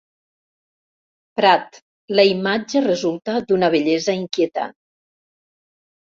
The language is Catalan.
Prat la imatge resulta d'una bellesa inquietant.